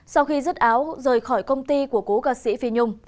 sau khi rứt áo rời khỏi công ty của cố ca sĩ phi nhung